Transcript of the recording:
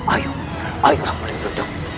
ayo ayolah pendekar gendong